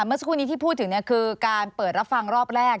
เมื่อสักครู่นี้ที่พูดถึงคือการเปิดรับฟังรอบแรก